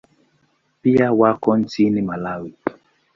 Pia wako nchini Malawi.